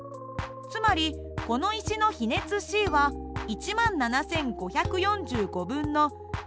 つまりこの石の比熱ｃは１７，５４５分の１２，６８４